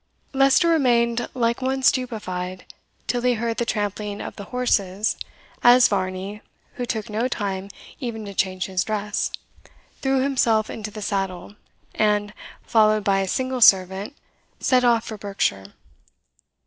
Leicester remained like one stupefied, till he heard the trampling of the horses, as Varney, who took no time even to change his dress, threw himself into the saddle, and, followed by a single servant, set off for Berkshire.